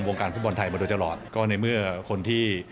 วงการฟุตบอลไทยมาโดยตลอดก็ในเมื่อคนที่